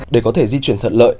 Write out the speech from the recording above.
để có thể di chuyển thật lợi